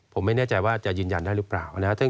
ผมไม่แน่ใจว่าจะยืนยันได้หรือเปล่านะครับ